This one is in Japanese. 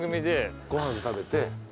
ご飯食べて。